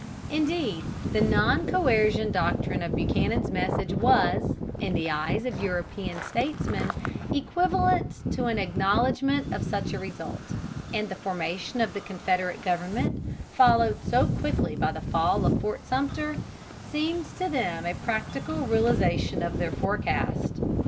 Indeed, the non coercion doctrine of Buchanan's message was, in the eyes of European statesmen, equivalent to an acknowledgment of such a result; and the formation of the Confederate government, followed so quickly by the fall of Fort Sumter, seemed to them a practical realization of their forecast.